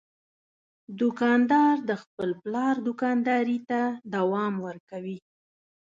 دوکاندار د خپل پلار دوکانداري ته دوام ورکوي.